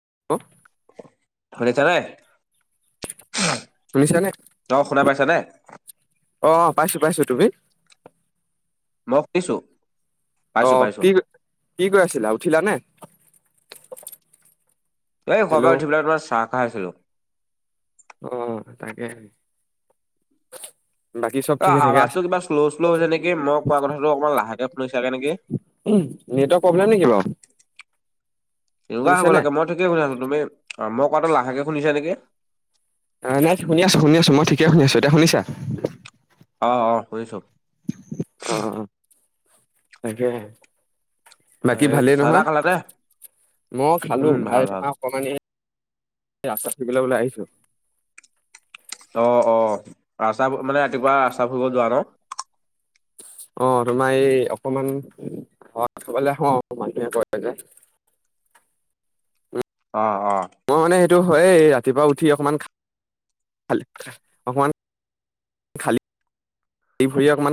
[inaudible] শুনিছানে শুনিছানে? তই মোক শুনা পাইছানে? অ পাইছো পাইছো তুমি মই সুধিছোঁ। অ', কি কি কৰি আছিলা উঠিলা নে? হেল্ল' [unintelligible] আহ তাকে। বাকী চব অ ঠিকে ঠিকে আৱাজটো আছে? কিবা শ্ল' শ্ল' হৈছে নেকি মই কোৱা কথাটো অকমান লাহেকে শুনিছাগে নেকি? উম, নেট প্ৰব্লেম নেকি বাৰু? এনেকুৱা শুনিছা হ'ব নে? লাগে মই ঠিকে শুনি আছো। তুমি অ' মই কোৱাটো লাহেকে শুনিছা নেকি? অ', নাই শুনি আছো শুনি আছো মই ঠিকে শুনি আছো এতিয়া শুনিছা? অ অ শুনিছো অ তাকে বাকী হেৰি ভালেই চাহ তাহ নহয় খালানে? মই খালো উম, খাই ভাল ভাল। পমাই অকমান [unintelligible] আহিছো অ', অ' ৰাস্তা মানে ৰাতিপুৱা ৰাস্তা ফুৰিব যোৱা ন। অ', তোমাৰ এই অকমান [inaudible] মানুহে কয় যে। [inaudible] অ', অ'। টো হয় ৰাতিপুৱা উঠি অকমান অকমান খালী এই ভৰি অকমান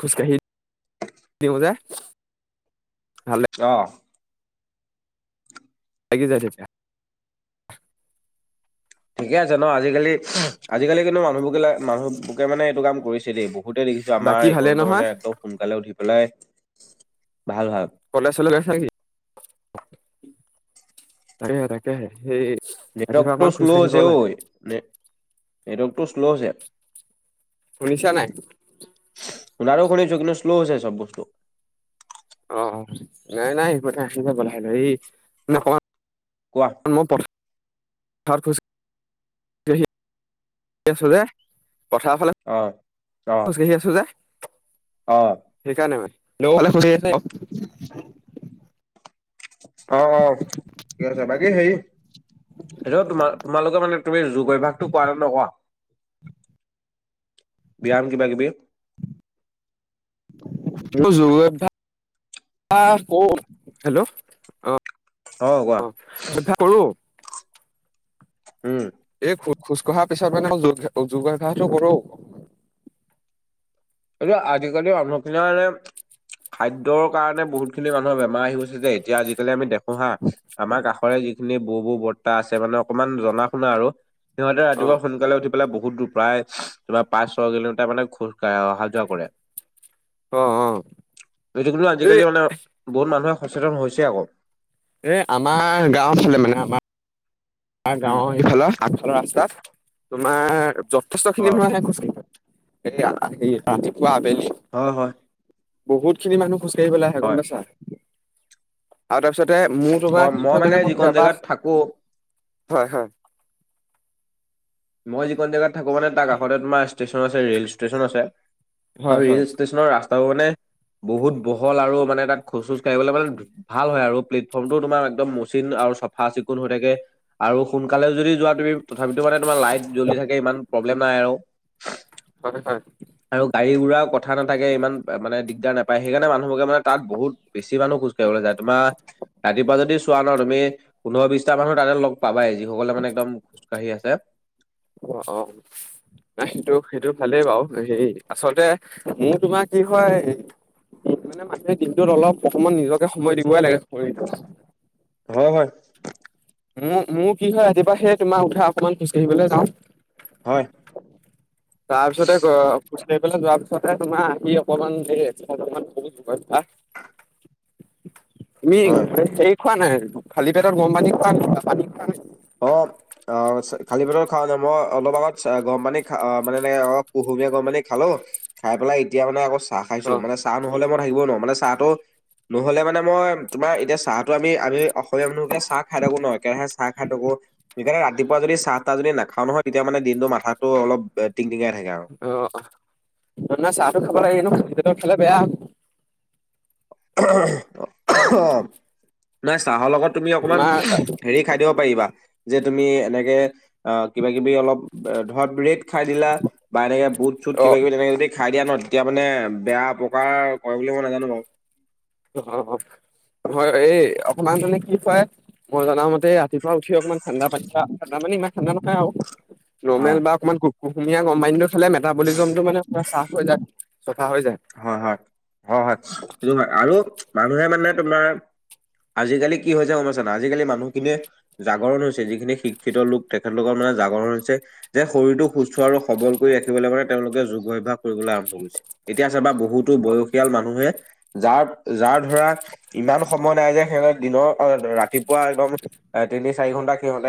খোজকাাঢ়ি দিওঁ যে ভাল আহ লাগি যাই তেতিয়া ঠিকে আছে ন আজিকালি আজিকালি কিন্তু মানুহবোৰ বিিলাক মানুহবকে মানে এইটো কাম কৰিছিল দেই এইবোৰ বহুতেই দেখিছো আমাৰ বাকী ভালে এইখনণো নহয় মানে একদম সোনকালে উঠি পেলাই ভাল ভাল ক'লেজ চলেজ আহিছা নেকি অৰে তাকেহে সেই ৰাতিপুৱা নেটৱৰ্কটো অকমান খোজ কাঢ়িব স্ল'হৈছে লাগে নে নেটৱৰ্কটো স্ল'হৈছে উনিছা নাই দিনক দিনে চোলহৈছে চব বস্ত অ নাই নাই মানে আহি যাবল এই নকয় কোৱা [unintelligible] আছো যে পথাৰ ফালে অ অ খোজকাাঢ়ি আছো যে অ হেই কাৰণে [unintelligible] অ অ থিকে আছে বাকে হেই এই তোম তোমালোকে মানে তুমি যোগ অভ্যাসটো কোৱা ন ন কোৱা ব্যায়াম কিবা কিবি মোৰ যুগৰ অভ্যাস কৰো হেল্ল' অ। অ কোৱা। অভ্যাস কৰো [unintelligible] এই খো খোজকঢ়াৰ পিছত মান যোগ যোগাভ্যাসটো কৰো কি আজিকালি অনুশীলনে খাদ্যৰ কাৰণে বহুত খিনি মানুহ বোৰ আহ গৈছে যে এতিয়া আজিকালি আমি দেখা হু হা আমাৰ কাষৰে যিখিনি বৌ বৌ বৰ্তা আছে মানে অকমান জনা শুনা আৰু সিহঁতে অ ৰাতিপুৱা সোনকালে উঠি পাই বহুত দূৰ প্ৰায় তিবাৰ পাঁচ ছয় কিলোমিটাৰ মানে খোজাঢ় অহা কৰে অ অ যটো কিন্তু এই আজিকালি মানে বহুত মানুহে সচেতন হৈছে আকৌ। এ আমাৰ গাওঁ অ ফালে মানে আমাৰাৰ উম গাওঁৰ এইফালৰ আগফালৰ ৰাস্তাত তোমাৰ যথেষ্ট অ খিনি নহয় আহে খোচ ে ৰাতিপুৱা আবেলি হয় হয়। বহুত খিনি মানুহ খজ কৰিবলৈ আহে গম হয় পাইছা আৰু তাৰপিছতে মোৰ তোৰা অ কি হয় মানে মই যিকণ জেগাত ববাহ থাকো হয়, হয়। মই যিকখন জেগাত থাকো মানে তাৰ কাষতে তোমাৰ ষ্টেচন আছে ৰে'ল ষ্টেচন আছে। আৰু হয় ৰে'ল হয় ষ্টেচনৰ ৰাস্তাও মানে বহুত বহল আৰু মানে তাত খচুচুজ কৰিবলৈ মানে ভাল হয় আৰু প্লেটফৰ্মটো তোমাৰ একদম মচিন আৰু চফা চিকুণ হৈ থাকে আৰু সোনকালে যদি যোৱা তুমি তথাপিতোমাৰ তোমাৰ লাইট জ্বলি থাকে ইমান প্ৰব্লেম নাই আৰু হয়, হয়। হ়ি উুৰা কথা নথাকে ইমান মানে দিগদাৰ নাপায় সেইকাৰণে মানুহোকে মানে তাত বহুত বেছি মানুহ খোজ কঢ়িবলৈ যায় তোমাৰ ৰাতিপুৱা যদি চোৱা ন তুমি পোন্ধৰ বিশটা মানুহ তাতে অ, 'অ। সেইটো সেইটো ভালেই বাৰু হেই আচলতে মোৰ তোমাৰ কি হয়। মানে মাহে দিনটোত অলপ প্ৰথমতে নিজকে সময় দিবই লাগে শৰটো। হয়, হয়। মোৰ মোৰ কি হয় ৰাতিপা সেই তোমাৰ উঠা অকমান খোজকাঢ়িবলৈ যাওঁ। হয় খোাজ পেলাই যোৱাৰ পিছতে তোমাৰ আহি অকমান দে অকমানা ইউগা [unintelligible] তুমি হেৰি খোৱা নাই খালী পেটৰ গৰম পানী খোৱা নাই পানী খোৱা নাই খ মই অলপ আগত গৰম পানী খা মান কুহুমীয়া গৰম পানী খালো খাই পেলাই এতিয়া মানে আকৌ চাহ খাইছো অ মানে চাহ নহ'লে মানে থাকিব ন মানে চাহটো নহ'লে মানে মই তোমাৰ এতিয়া চাহটোো আমি আমি অসমীয়া মানুহকে চাহ খাই থাকো ন কেৰাহে চাহ খ ো সেইকাৰণে ৰাতিপুৱা যদি চাহ তাহ যদি নাখাও নহয় তেতিয়া মানে দিনটো মাথাাতটো অলপ টিংটিঙাই থাকে আৰু। অ', ন নাই চাহতো খাব লাগে কিন্তু খালি পেটত খালে বেয়া। অ নাই চাহৰ লগত তুমি অকণমান তোমাৰ হেৰি খাই দিব পাৰিবা যে তুমি এনেকে অ কিবা কিবি অলপ ধ হট ব্ৰট খাই দিলা বা এনেকে বুট চুট অ কিবা কিবি তেনেকে যদি খাই দিয়া ন এতিয়া মানে বেয়া অপকাৰ কৰে বুলি মই নাজানো বাৰু ইাৰ মানে কি হয় মই জনাও মতে ৰাতিপুৱ উঠি অকমান ঠাণ্ডা পানী খা ঠাণ্ডা মানী ইমান ঠাডা নখায় আৰু অ নৰ্মেল বা অকণমান ক কুহুমীয়া কম্বাইনটো খালে মেটাবলিজমটো মানে চাহ হৈ যাক হয় হয় হয় হয় সেইটো আৰু মানুহে মানে তোমাৰ আজিকালি কি হৈছে গমছানা আজিকালি মানুহখিনিয়ে জাগৰণ হৈছে যিখিনি শিক্ষিত লোক তেখেতলোকৰ মানহ জাগৰণ হৈছে যে শৰীৰটো সুস্থ আৰু সবল কৰি ৰাখিবলৈ মানে তেওঁলোকে যোগ অভ্যাস কৰিবলৈ আৰম্ভ কৰিছে এতিয়া চ বা বহুতো বয়সীয়াল মানুহে যাৰ যাৰ ধৰা ইমান সময় নাই যে সিহঁতে দিনৰ ৰাতিপুৱা একদম তিনি চাৰি ঘণ্টা সিহঁতে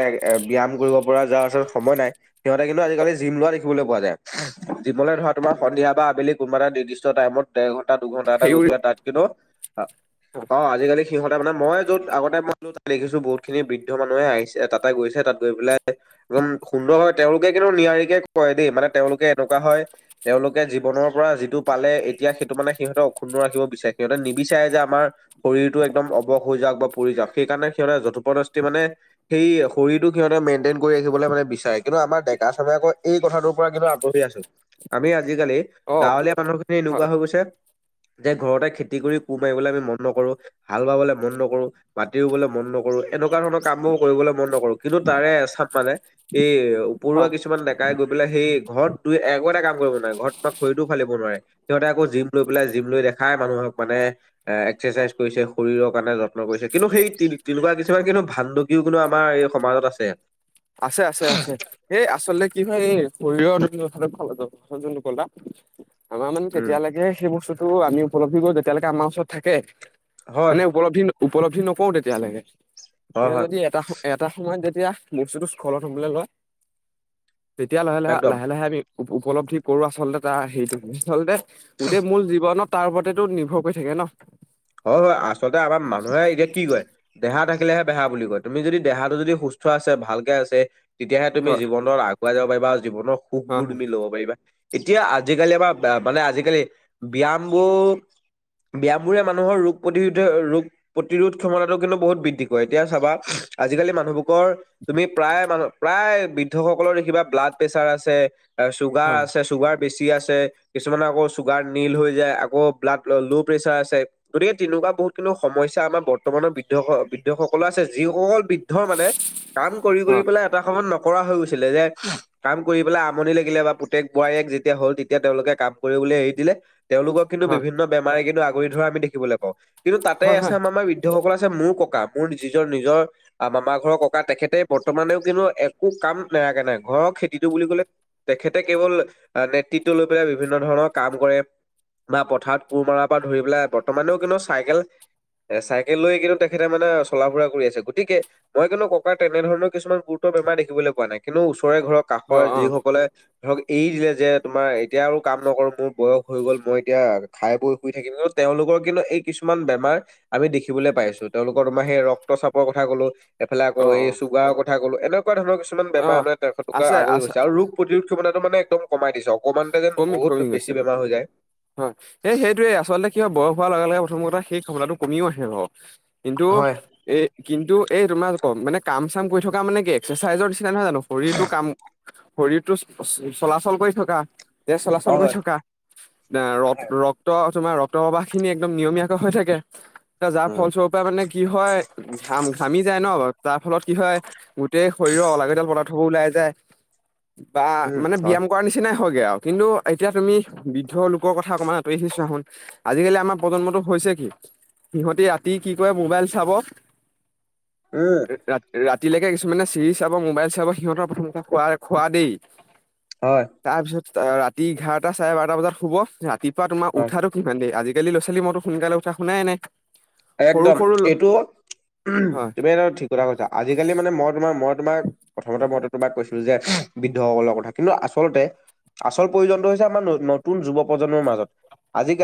ব্যায় কৰিব পৰা যাৰ ওচৰত সময় নাই সিহঁতে কিন্তু আজিকালি জিম লোৱা দেখিবলৈ পোৱা যায় যীিবলৈ ধৰা তোমাৰ সন্ধিয়া বা আবেলি কোনোব এটা নিৰ্দিষ্ট টাইমতৰ ঘন্টা দুঘন্টা এটা হেৰি গৈ পেলাই তাত কিন্তু অ' আজালি সি মানে মই য'ত আগতে মই যত দেখিছো বহুত খিনি বৃদ্ধ মানুহে আহিছে তাতে গৈছে তাত গৈ পেলাই একদম সুন্দৰ হয় তেওঁলোকে কিন্তু নিয়াৰিকে কয় দেই মানে তেওঁলোকে এনেকুৱা হয় তেওঁলোকে জীৱনৰ পৰা যিটো পালে এতিয়া সেইটো মানে সিহঁতে অক্ষুন্ন ৰাখিব বিচাৰে সিহঁতে নিবিচাৰে যে আমাৰ শৰীৰতটো একদম অৱস হৈ যাকও বা পৰি যওক সেইকাৰণে সিহঁতে যথোপদষ্টি মানে সেই শৰীৰটো সিহঁতে মেইনটেইন কৰি ৰাখিব মানে বিচাৰে। কিন্তু আমাৰ ডেকা চামে আকৌ এই কথাটোৰ পৰা কিন্তু আগবহি আছো আমি আজিকালি অ গাঁৱলীয়া মানুহখিনি এনেকুৱা হয় হৈ গৈছে যে ঘৰতে খেতি কৰি কুহ মাৰিবলৈ আমি মন নকৰো হাল বাবলে মন নকৰোঁ মাটি ৰুবলৈ মন নকৰো এনেকুৱা তেনেকুৱা ধৰণৰ কাম বোৰ কৰিবলৈ মন নকৰো কিন্তু তাৰে চাপ মানে ই উপৰুৱা হয় কিছুমান ডেকাই গৈ পেলাই সেই ঘৰত তই একো এটা কাম কৰিব নোৱাৰে ঘৰত তাক মান মানে মে যত্ন কৰিছে কিন্তু সেই তেনেকুৱা কিছুমান কিন্তু ভাণ্ডুকিও কিন্তু আমাৰ এই সমাজত আছে আছে আছে আছে এই আচলতে কি হয় শৰীৰৰ ভাল যোনটো কলা আমাৰ মানে উম কেতিয়ালৈকে সেই বস্তু টো আমি উপলব্ধি কৰো যেতিয়ালৈকে আমাৰ ওচৰত থাকে হয় মানে উপলব্ধি উপলব্ধি নকৰো তেতিয়ালৈকে হয় কিন্তু হয় যদি এটা এটা সময়ত যেতিয়া বস্তুটো সখলত হবলৈ লয় তেতিয়া লাহে লাহে একদম লাহে লাহে আমি উপলব্ধি কৰো আচলতে তাৰ হেটো আচলতে গোটেই মূল জীৱনত তাৰ ওপৰতেতটো নিৰ্ভৰ কৰি থাকে ন হয়, হয় আচলতে আমাৰ মানুহে এতিয়া কি কয় দেহা থাকিলেহে বেহা বুলি কয় তুমি যদি দেহাটো যদি সুস্থ আছে ভালকে আছে তেতিয়াহে তুমি হয় জীৱনত আগুৱাই যাব পাৰিবা আৰু জীৱনৰ হয় সুখবোৰ তুমি ল'ব পাৰিবা। এতিয়া আজিকালি এমাৰ মানে আজিকালি ব্যায়ামবোৰ ব্যায়ামবোৰে মানুহৰ ৰোগ প্ৰতিৰোধে ৰোগ প্ৰতিৰোধ ক্ষমতাটো কিন্তু বহুত বৃদ্ধি কৰে এতিয়া চাবা আজিকালি মানুহব তুমি প্ৰায় মানহ প্ৰায় বৃদ্ধসকলৰ দেখিবা ব্লাড প্ৰেচাৰ আছে চুগাৰ হয় আছে চুগাৰ পছ আছে কিছুমানৰ আকৌ চুগাৰ নীল হৈ যায় আকৌ ব্লাড ল' প্ৰেচাৰ আছে গতিকে তেনেকুৱা বহুত কিনু সমস্যা আমাৰ বৰ্তমানৰ বৃদ্ধস বৃদ্ধসকলৰ আছে যিসকল বৃদ্ধ মানে কাম কৰি কৰি হয় পেলাই এটা সময়ত নক কৰা হৈ গৈছিলে যে কাম কৰিব পেলাই আমনি লাগিলে বা পুতেক বোৱাৰীয়েক যেতিয়া হ'ল তেতিয়া তেওঁলোকে কাম কৰিব বুলি আহি দিলে তেওঁলোকক কিন্তু বিভিন্ন বেমাৰে কিন্তু আগুৰি ধৰা আমি দেখিবলৈ পাওঁ, কিন্তু তাতে হয় আছে হয় হয় এচাম আমাৰ বৃদ্ধসকল মোৰ ককা মোৰ নিজৰ নিজৰ মামা ঘৰৰ ককা তেখেতে বৰ্তমানেও কিন্তু একো কাম না নাই ঘৰৰ খেতিটো বুলি ক'লে তেখেতে কেৱল নেতৃত্ব লৈ পেলাই বিভিন্ন ধৰণৰ কাম কৰে বা পথাৰত কোৰ মাৰাৰ পৰা ধৰি পেলাই বৰ্তমানেও কিন্তু চাইকেল এ চাইকেল লৈ কিন্তু তেখেতে মানে চলা ফুৰা কৰি আছে গতিকে মই কিন্তু ককাৰ তেনেধৰণৰ কিছুমান গুৰুত্ব বেমাৰ দেখিবলৈ পোৱা নাই, কিন্তু ওচৰে ঘৰৰ অ কাষৰ অ যিসকলে ধৰক এৰি দিলে যে, তোমাৰ এতিয়া আৰু কাম নকৰো মোৰ বয়স হৈ গ'ল মই এতিয়া খাই বৈ শুই থাকিম কিন্তু তেওঁলোকৰ কিন্তু এই কিছুমান বেমাৰ আমি দেখিবলৈ পাইছো, তেওঁলোকৰ তোমাৰ সেই ৰক্তচাপৰ কথা ক'লো এইফালে আকৌ অ অ এই চুগাৰৰ কথা ক'লো এনেকুৱা ধৰণৰ কিছু অ বেমাৰা মানে তেখেতক আছে আগৰি আছে গৈছে আৰু ৰোগ প্ৰতিৰোধ টো মানে একদম কমাই দিছে অকণমানতে যেন কমি বহুত কমি বেছি গৈছে বেমাৰ হৈ যায় হয়, এই সেইটোয়ে আচলতে কিবা বয়স হোৱাৰ লগে লগে প্ৰথম কথা সেই খমনাটো কমিও আছে ৰ কিন্তু হয় এই কিন্তু এই তোমাৰ কম মানে কাম চাম কৰি থকা মানে কি এক্সাৰচাইজৰ নিচিনা নহয় জানো শৰীৰটো কাম শৰীৰটো চলাচল কৰি থকা এ চলাচল কৰি হয় থকা আ, হয় ৰত-ৰক্ত তোমাৰ ৰক্তপ্ৰবাহ খিনি একদম নিয়মীয়াকৈ হৈ থাকে যাৰ উম ফলস্বৰূৰ পৰা মানে কি হয়, ঘাম ঘামি যায় ন বা তাৰ ফলত কি হয়, গোটেই শৰীৰৰ অলাগতিয়াল পদাৰ্থবোৰ ওলাই যায়। বা উম মানে হয় ব্যায়াম কৰাৰ নিচিনাই গে আৰু কিন্তু এতিয়া তুমি বৃদ্ধলোকৰ কথা অকমান আঁতৰি আহি‌ চোৱাচোন আজিকালি আমাৰ প্ৰজন্মটো কি সিহঁতি ৰাতি কি কৰে মোবাইল চাব উম ৰ-ৰাত-ৰাত তিলেকে কিছুমানে চিৰিজ চাব, মোবাইল চাব সিহঁতৰ প্ৰথম [unintelligible] খোৱা দেই হয়। তাৰপিছত আ, ৰাতি ইঘাৰটা চাৰে বাৰটা বজাত শুব ৰাতিপুৱা তোমাৰ হয়, উঠাতটো কিমান দেৰি আজি গেলি ল ছালী মোোনাল উঠাুাই নাই সৰু একদম সৰু ল এইটো হয় তুমি ঠিক কথা কৈছা আজিকালি মানে মই তোমাৰ মৰত তোমাক প্ৰথমতে মইটো তোমাক কৈছিলো যে, বৃদ্ধসকলৰ কথা কিন্তু আচলতে আচল প্ৰয়োজনটো হৈছে আমাৰ নতুন যুৱ প্ৰজন্মৰ মাজত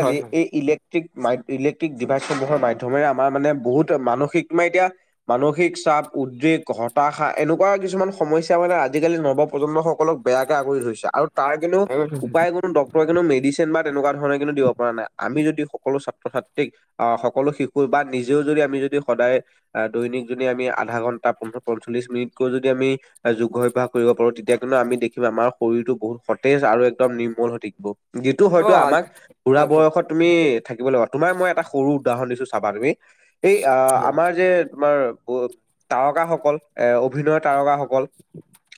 হয় হয় এই ইলেক্ট্ৰিক মা ইলেক্ট্ৰিক ডিভাইচসমূহৰ মাই প্ৰথমেৰে আমাৰ মানে বহুত মানসিক মে এতিয়া মানসিক চাপ উদ্ৰেগ, হতাশা এনেকুৱা কিছুমান সমস্যা মানে আজিকালি নৱপ্ৰজন্মসকলক বেয়াকে আগুৰি ধৰিছে আৰু তাৰ কিনো উপায় কোনো ডক্তৰে ক মেডিচিন বা তেনেকুৱা ধৰণে কিন্তু দিব পৰা নাই, আমি যদি সকলো ছাত্ৰ ছাত্ৰীক আহ, সকলো শিক বা নিজেও যদি আমি যদি সদায় আ, দৈনিক যদি আমি আধা ঘন্টা পঞ্চল্লিশ মিনিটকৈ যদি আমি যোগ অভ্যাস কৰিব পাৰো, তেতিয়া কিন্তু আমি দেখিম আমাৰ শৰীৰটো বহুত সতেজ আৰু একদম নিৰ্মল হৈ থাকিব। যিটো অ হয়তো আমাক বোৰা হয় হয় বয়সত তুমি থাকিব লাগিব তোমাৰ মই এটা সৰু উদাহৰণ দিছো চাবা তুমি এই আহ, আমাৰ যে, ক' তোমাৰ তাৰকাসকল এ অভিনয় তাৰকাসক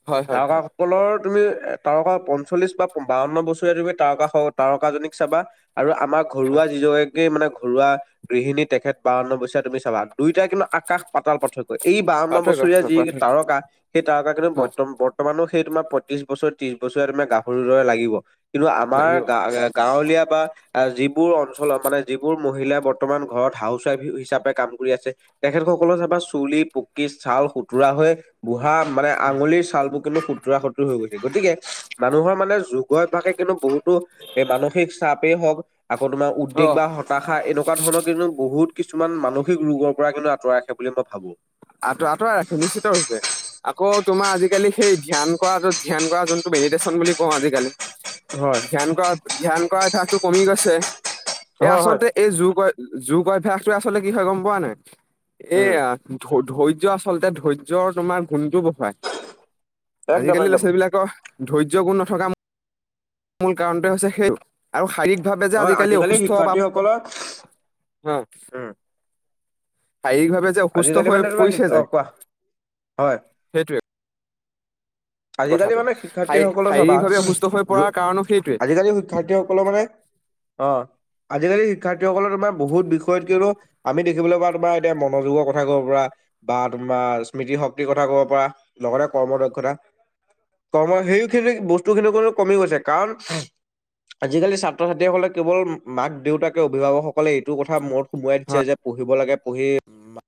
হয় [unintelligible] হয় কা সকলৰ তুমি তাৰকা পঞ্চল্লিশ বা বাৱন্ন বছৰেীয়া তুমি তাৰকা তাৰকাজনীক চাবা আৰু আমাৰ ঘৰুৱা হয় যিজগৰাকী মানে ঘৰুৱা গৃহিণীত তেখেত বাৱন্ন বচয়ীয়া তুমি চাবা দুইটাই কিন্তু আকাশ পাতাল পাৰ্থক্য। এই বাউন মাহ পাৰ্থক্য বছৰীয়া যি পাৰ্থক্য তাৰকা সেই তাৰকা কিন্তু হয় বৰ্ত বৰ্তমানো সেই তোমাৰ পঁত্ৰিশ বছৰ ত্ৰিশ বছৰীয়া তোমাৰ গাভৰুৰ দৰে লাগিব, কিন্তু আমাৰ লাগিব গা গাঁৱলীয়া বা যিবোৰ অঞ্চলত মানে যিবোৰ মহিলাই বৰ্তমান ঘৰত হাউচ ৱাইফ হিচাপে কাম কৰি আছে তেখেতসকলৰ চাবা চুলি পকি চাল সুতুৰা হৈ বুঢ় ধআ মানে আঙুলিৰ চাল [unintelligible] কিন্তু সুতুৰা সুতৰ হৈ গৈছে গতিকে মানুহৰ মানে যুগ অভ্যাসে কিন্তু বহুত টো এই মানসিক চাপেই হওঁক, আকৌ তোমাৰ অ উদেক বা হতাশা এনেকুৱা ধৰণৰ কিন্তু বহুত কিছুমান মানসিক ৰোগৰ পৰা কিন্তু আঁতৰাই ৰাখে বুলি মই ভাবো। আ আঁতুৱাই ৰাখে নিশ্চিত ৰূপে। আকৌ তোমাৰ আজিকালি সেই ধ্যান কৰাটো ধ্যান কৰা যোনটো মেডিটেশ্যন বুলি কওঁ আজিকালি। হয় ধ্যান কৰা ধ্যান কৰা অভ্যাসটো কমি গৈছে। এই হয় হয় আচলতে এই জোৰ কয় জোৰ কয় অভ্যাস তে আচলতে কি হয় গম পোৱা নাই উম এয়া ধৈৰ্য আচলতে ধৈৰ্যৰ তোমাৰ। ফোনটো বহায় একদম আজিকালি ল'ৰা একদম। ছোৱালীবলাকৰ। ধৈৰ্য্য গুণ নথকা মূল কাৰণটোৱে হৈছে সেই আৰু শাৰীৰিক ভাবে যে হয় আজিকালি অসুস্থ বা শিক্ষাৰ্থীসকলৰ অ'। উম শাৰীকভাৱে যে অসুস্থ মানে আজিকালি তোম অ', কোৱা হয়। সেইটোৱে আজিকালি কথাটো। মানে শাৰী- শিক্ষাৰ্থীসকলৰ চাবা শাৰীৰিকভাৱে অসুস্থ হৈ পৰাৰ কাৰণো সেইটোৱে আজিকালি শিক্ষাৰ্থীসকলৰ মানে অ'। আজিকালি শিক্ষাৰ্থীসকলৰ তোমাৰ বহুত বিষয়ত কিয়নো আমি দেখিবলৈ পাওঁ তোমাৰ এতিয়া মনোযোগৰ কথা ক'ব পৰা। বা তোমাৰ স্মৃতি শক্তিৰ কথা ক'ব পাৰা লগতে কৰ্ম দক্ষতা কম সেইখিনি বস্তু খিনি কমি গৈছে কাৰণ আজিকালি ছাত্ৰ ছাত্ৰীসকলে কেৱল মাক দেউতাকে অভিভাৱকসকলে এইটো কথা মত সোমোৱাই হয়। দিছে যে পঢ়িব লাগে পঢ়ি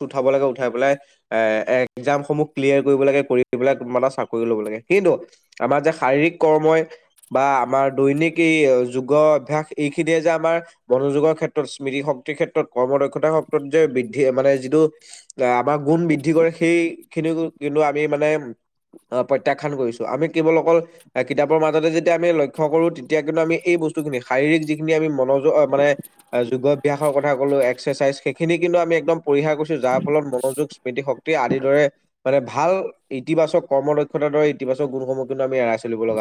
উঠাব লাগে উঠাই পেলাই এ একজামসমূহ ক্লিয়াৰ কৰিব লাগে কৰি পেলাই ল'ব লাগে কিন্তু আমাৰ যে শাৰীৰিক কৰ্মই বা আমাৰ দৈনিক এই যুগৰ অভ্যাস এইখিনিয়ে যে আমাৰ মনোযোগৰ ক্ষেত্ৰত স্মৃতি শক্তিৰ ক্ষেত্ৰত কৰ্ম দক্ষতা কেত্ৰত যে বৃদ্ধি মানে যিটো আমাৰ গুণ বৃদ্ধি কৰে সেইখিনি কিন্তু আমি মানে অ', প্ৰত্যাখ্যান কৰিছো আমি কেৱল অকল কিতাপৰ মাজতে যেতিয়া আমি লক্ষ্য কৰো তেতিয়া কিন্তু আমি এই বস্তু তো তুমি শাৰীৰিক যি কিনি এই আমি মনৰ যোগ পাম মানে যুগৰ অভ্যাসৰ কথা কলোঁ এক্সাৰচাইজ সেইখিনি কিন্তু আমি একদম পৰিহাৰ কৰিছো যাৰ ফলত মনোযোগ স্মৃতিশক্তি আদিৰ দৰে মানে ভাল ইতিবাচক কৰ্মদক্ষতাৰ দৰে ইতিবাচ গুণসমূহ কিন্তু আমি এৰাই চলিব লগা